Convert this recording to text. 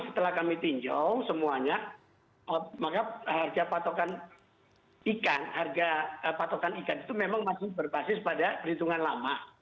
setelah kami tinjau semuanya maka harga patokan ikan harga patokan ikan itu memang masih berbasis pada perhitungan lama